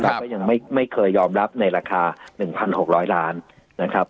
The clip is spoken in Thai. เราก็ยังไม่ไม่เคยยอมรับในราคาหนึ่งพันหกร้อยล้านนะครับ